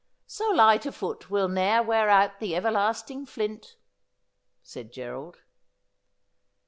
'" So light a foot will ne'er wear out the everlasting flint," ' said Gerald.